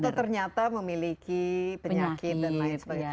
kita ternyata memiliki penyakit dan lain sebagainya